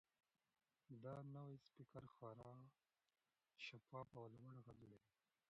دا نوی سپیکر خورا شفاف او لوړ غږ لري.